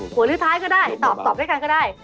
หรือท้ายก็ได้ตอบด้วยกันก็ได้